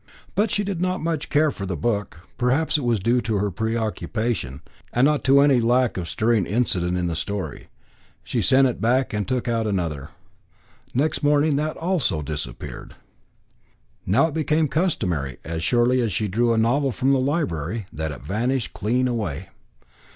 She did not much care for the book; perhaps that was due to her preoccupation, and not to any lack of stirring incident in the story. She sent it back and took out another. Next morning that also had disappeared. It now became customary, as surely as she drew a novel from the library, that it vanished clean away.